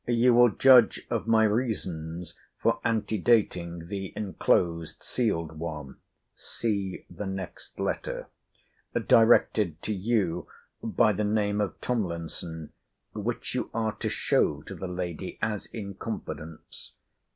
You will judge of my reasons for ante dating the enclosed sealed one,* directed to you by the name of Tomlinson; which you are to show to the lady, as in confidence.